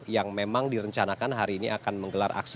yang memang direncanakan hari ini akan menggelar aksi